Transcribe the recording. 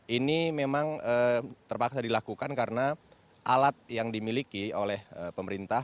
ini memang terpaksa dilakukan karena alat yang dimiliki oleh pemerintah